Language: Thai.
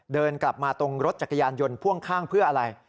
เดินกลับมาตรงรถจักรยานยนต์พ่วงข้างเพื่ออะไร